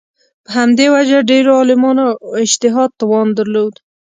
په همدې وجه ډېرو عالمانو اجتهاد توان درلود